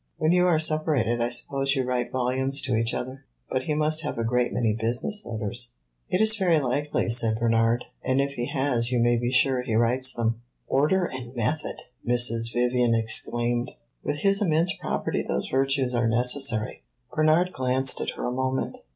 When you are separated I suppose you write volumes to each other. But he must have a great many business letters." "It is very likely," said Bernard. "And if he has, you may be sure he writes them." "Order and method!" Mrs. Vivian exclaimed. "With his immense property those virtues are necessary." Bernard glanced at her a moment.